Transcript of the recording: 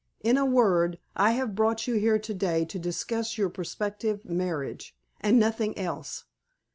In a word, I have brought you here today to discuss your prospective marriage, and nothing else.